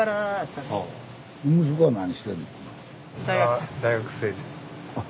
あ大学生。